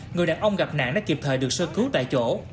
người đàn ông gặp nạn đã kịp thời được sơ cứu tại chỗ